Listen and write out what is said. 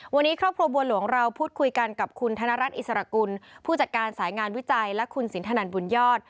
วันนี้ครอบครัวบัวหลวงเราพูดคุยกันกับคุณธนรัฐอิสระกุลผู้จัดการสายงานวิจัยและคุณสินทนันบุญยอด